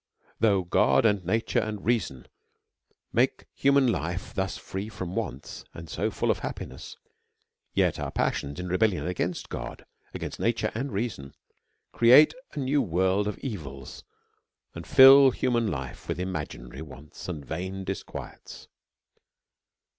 though God, and nature, and reason, make human life thus free from wants, and so full of happiness, yet our passions, in rebellion against God, against nature and reason, create a new world of evils, and fill human life with imaginary wants and vain disquiets.